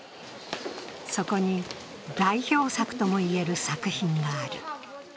そこに代表作ともいえる作品がある。